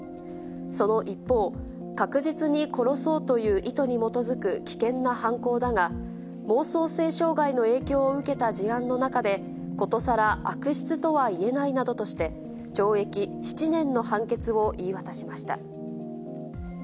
その一方、確実に殺そうという意図に基づく危険な犯行だが、妄想性障害の影響を受けた事案の中で、ことさら悪質とはいえないなどとして、懲役７年の判決を言い渡しました。